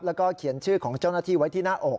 แล้วก็เขียนชื่อของเจ้าหน้าที่ไว้ที่หน้าอก